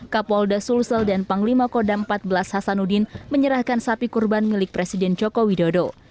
kapolda sulsel dan panglima kodam empat belas hasanuddin menyerahkan sapi kurban milik presiden joko widodo